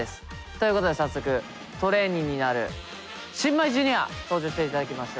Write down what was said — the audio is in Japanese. ということで早速トレーニーになる新米Ｊｒ．登場していただきましょう。